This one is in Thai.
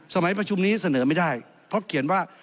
สมัยประชุมนี้เสนอไม่ได้เพราะเขียนว่า